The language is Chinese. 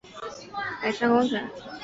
翻新期间亦进行了结构改善工程。